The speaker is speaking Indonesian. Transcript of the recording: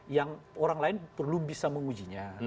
yang orang lain perlu bisa mengujinya